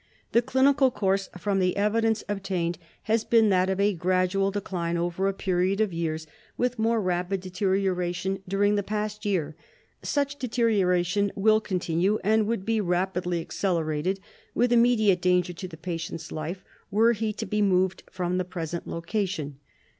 The clinical course, from the evidence obtained, has been that of a gradual decline over a period of years, with more rapid deterioration during the past year. Such deterioration will continue, and would be rapidly accelerated, with immediate danger to the patient's life, were he to be moved from his present location.